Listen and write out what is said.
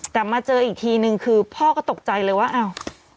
แต่มาเจออีกทีนึงคือพ่อก็ตกใจเลยว่าอ้าว